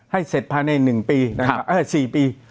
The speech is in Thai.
ให้เสร็จภายใน๑ปีนะครับ๔ปี